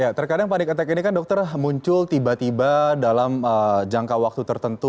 ya terkadang panic attack ini kan dokter muncul tiba tiba dalam jangka waktu tertentu